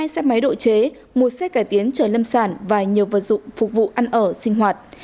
hai xe máy độ chế một xe cải tiến chở lâm sản và nhiều vật dụng phục vụ ăn ở sinh hoạt